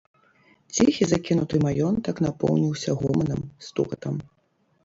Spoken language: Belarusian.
Ціхі закінуты маёнтак напоўніўся гоманам, стукатам.